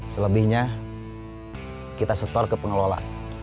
selebihnya kita setor ke pengelola